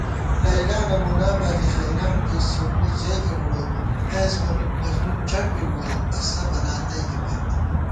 لیلٰی نہ مُنابالی حیریان بی سومّی ژَئیکے بُڑوت * قیس مجنون چٹ بِبُوا اسہ بلا تئیکےپت